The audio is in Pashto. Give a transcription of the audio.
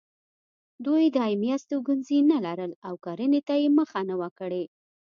دوی دایمي استوګنځي نه لرل او کرنې ته یې مخه نه وه کړې.